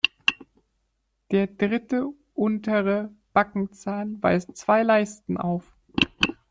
Der dritte untere Backenzahn weist zwei Leisten auf.